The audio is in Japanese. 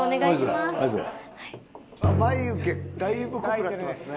眉毛だいぶ濃くなってますね。